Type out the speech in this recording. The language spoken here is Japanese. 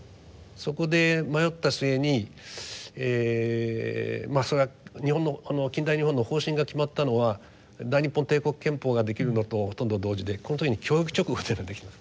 そこで迷った末にそれは近代日本の方針が決まったのは大日本帝国憲法ができるのとほとんど同時でこの時に教育勅語っていうのができています。